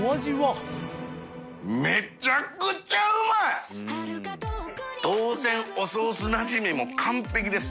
淵船礇鵝当然おソースなじみも完璧です。